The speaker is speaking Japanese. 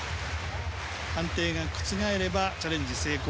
判定が覆ればチャレンジ成功。